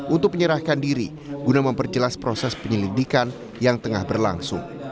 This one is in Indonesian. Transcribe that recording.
untuk menyerahkan diri guna memperjelas proses penyelidikan yang tengah berlangsung